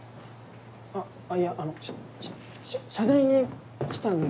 あっいやあのしゃ謝罪に来たんですけど。